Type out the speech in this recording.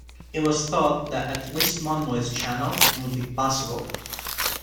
It was thought that at least one voice channel would be possible.